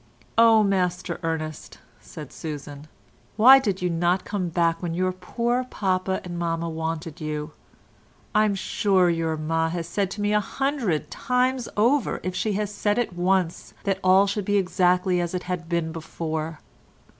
"Oh, Master Ernest," said Susan, "why did you not come back when your poor papa and mamma wanted you? I'm sure your ma has said to me a hundred times over if she has said it once that all should be exactly as it had been before."